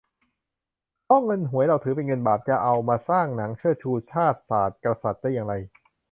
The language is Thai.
เพราะเงินหวยเราถือเป็น 'เงินบาป' จะเอามาสร้างหนังเชิดชู ชาติ ศาสน์ กษัตริย์ ได้อย่างไร